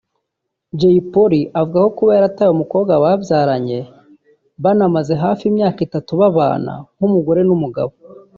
Jay Polly uvugwaho kuba yarataye umukobwa babyaranye banamaze hafi imyaka itatu babana nk’umugore n’umugabo